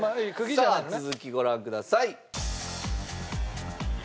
さあ続きご覧ください。